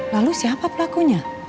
lalu siapa pelakunya